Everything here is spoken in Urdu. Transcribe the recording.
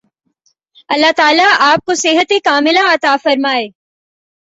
اللہ تعالی آپ کو صحت ِکاملہ عطا فرمائے۔